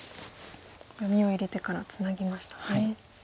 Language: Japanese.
読みを入れてからツナぎましたね。